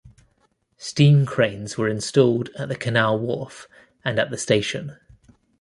Steam cranes were installed at the canal wharf and at the station.